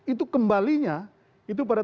itu kembalinya itu pada